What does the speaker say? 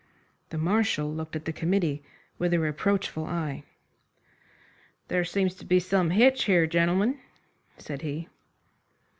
The Marshal looked at the committee with a reproachful eye. "There seems to be some hitch here, gentlemen," said he.